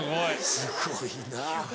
すごいな。